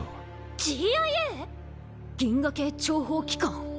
ＧＩＡ⁉銀河系諜報機関。